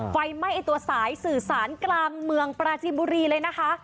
ไฟไหม้ตัวสายสื่อสารกลางเมืองปราจินบุรีเลยนะคะ